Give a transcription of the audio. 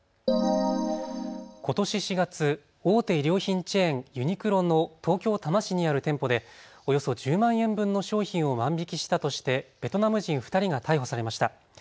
ことし４月、大手衣料品チェーン、ユニクロの東京多摩市にある店舗でおよそ１０万円分の商品を万引きしたとしてベトナム人２人が逮捕されました。